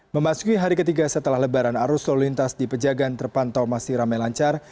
memasuki hari ketiga setelah lebaran arus lalu lintas di pejagan terpantau masih ramai lancar